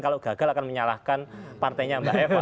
kalau gagal akan menyalahkan partainya mbak eva